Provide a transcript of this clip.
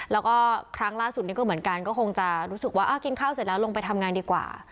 แล้วก็ครั้งล่าสุดนี้ก็เหมือนกันก็คงจะรู้สึกว่ากินข้าวเสร็จแล้วลงไปทำงานดีกว่า